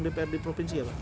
di prd provinsi ya pak